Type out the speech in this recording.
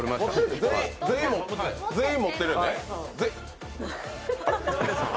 全員持ってるのね。